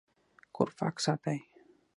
کور پاک ساتئ